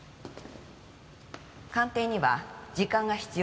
鑑定には時間が必要です。